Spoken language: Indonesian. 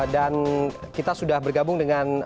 dan kita sudah bergabung dengan